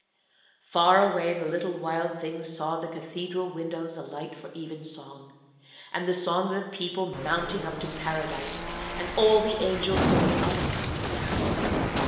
Far away the little Wild Thing saw the cathedral windows alight for evensong, and the song of the people mounting up to Paradise, and all the angels going up and down.